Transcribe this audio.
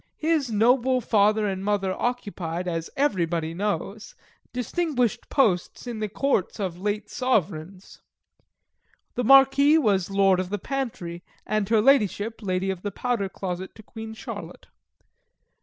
His noble father and mother occupied, as everybody knows, distinguished posts in the Courts of late Sovereigns. The Marquis was Lord of the Pantry, and her Ladyship, Lady of the Powder Closet to Queen Charlotte.